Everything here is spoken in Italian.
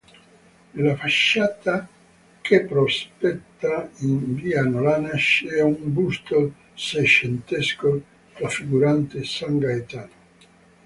Nella facciata che prospetta in via Nolana c'è un busto secentesco raffigurante "San Gaetano".